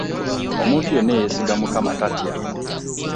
Omuntu yenna eyeesiga mukama tatya.